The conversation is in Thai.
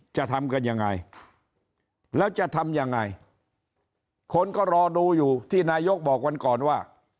จะทำกันยังไงแล้วจะทำยังไงคนก็รอดูอยู่ที่นายกบอกวันก่อนว่า